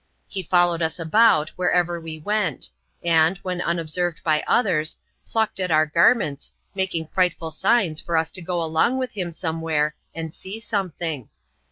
He followed us about, wherever we went ; and, when unobserved by othersj plucked at our garments, making frightful signs for us to go along with him somewhere, and see something.